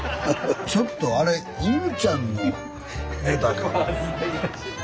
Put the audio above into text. ちょっとあれ犬ちゃんのネタか。